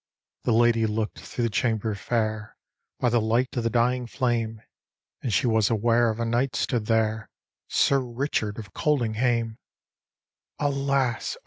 The lady look'd through the chamber fair, By the light of the dying flame; And she was aware of a knight stood there — Sir Richard of Q>ldinghamel "Alas!